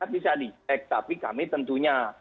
bisa di tag tapi kami tentunya